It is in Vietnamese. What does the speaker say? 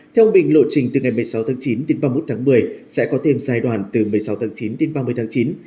theo bình lộ trình từ ngày một mươi sáu tháng chín đến ba mươi một tháng một mươi sẽ có thêm giai đoạn từ một mươi sáu tháng chín đến ba mươi tháng chín